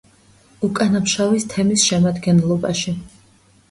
უკანაფშავის თემის შემადგენლობაში.